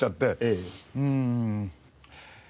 うん。